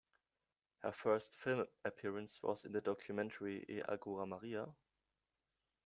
Her first film appearance was in the documentary E Agora Maria?